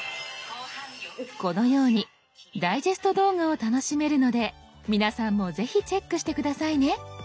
このようにダイジェスト動画を楽しめるので皆さんもぜひチェックして下さいね。